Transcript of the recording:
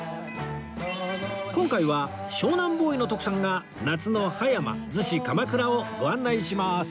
今回は湘南ボーイの徳さんが夏の葉山逗子鎌倉をご案内します